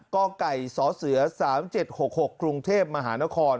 ๕กกสศ๓๗๖๖ครุงเทพฯมหานคร